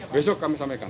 besok kami sampaikan